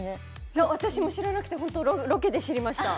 いや私も知らなくてホントロケで知りました